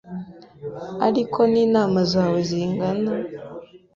ari ko n’imana zawe zingana